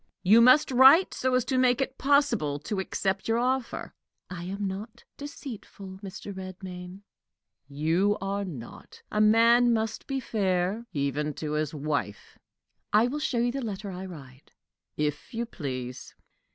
"You must write so as to make it possible to accept your offer." "I am not deceitful, Mr. Redmain." "You are not. A man must be fair, even to his wife." "I will show you the letter I write." "If you please."